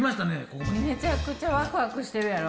めちゃくちゃわくわくしてるやろ？